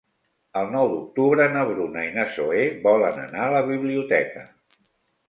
El nou d'octubre na Bruna i na Zoè volen anar a la biblioteca.